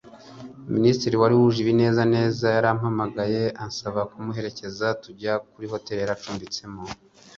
minisitiri wari wuje ibinezaneza yarampamagaye ansaba kumuherekeza tujya kuri hoteli yari acumbitsemo,